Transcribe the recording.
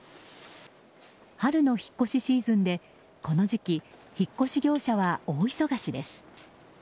春の引っ越しシーズンでこの時期、引っ越し業者は大忙しです。